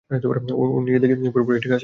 ও ওর নিজের দিক থেকে পুরোপুরি ঠিক আছে।